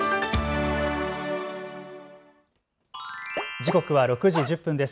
時刻は６時１０分です。